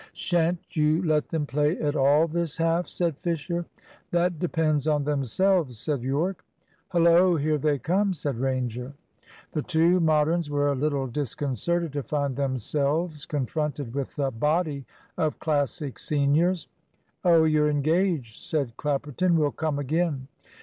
"Shan't you let them play at all this half?" said Fisher. "That depends on themselves," said Yorke. "Hullo! here they come," said Ranger. The two Moderns were a little disconcerted to find themselves confronted with the body of Classic seniors. "Oh, you're engaged," said Clapperton; "we'll come again."